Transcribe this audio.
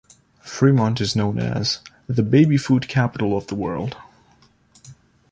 Fremont is known as "The Baby Food Capital of the World".